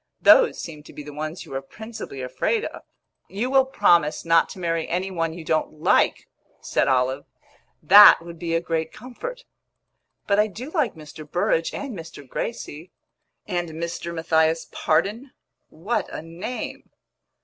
"Those seemed to be the ones you were principally afraid of." "You will promise not to marry any one you don't like," said Olive. "That would be a great comfort!" "But I do like Mr. Burrage and Mr. Gracie." "And Mr. Matthias Pardon? What a name!"